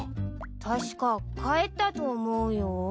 確か帰ったと思うよ。